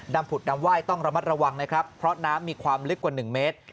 ผุดดำไหว้ต้องระมัดระวังนะครับเพราะน้ำมีความลึกกว่า๑เมตร